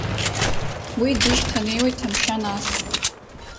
Уи дишьҭанеиуеит Ҭамшьа, нас…